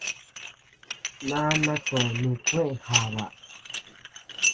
Ná nastoʼö nukueʼë jaba.